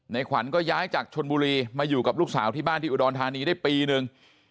ขวัญก็ย้ายจากชนบุรีมาอยู่กับลูกสาวที่บ้านที่อุดรธานีได้ปีนึง